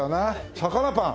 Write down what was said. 魚パン。